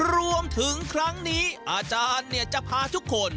รวมถึงครั้งนี้อาจารย์จะพาทุกคน